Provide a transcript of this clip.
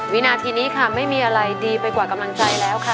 วินาทีนี้ค่ะไม่มีอะไรดีไปกว่ากำลังใจแล้วค่ะ